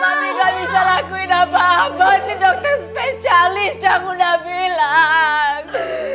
mami enggak bisa lakuin apa apa mami dokter spesialis yang udah bilang